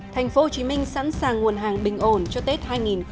thành phố hồ chí minh sẵn sàng nguồn hàng bình ổn cho tết hai nghìn hai mươi bốn